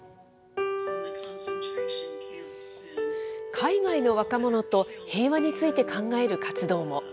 海外の若者と平和について考える活動も。